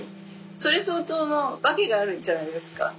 それ相当の訳があるじゃないですか絶縁するって。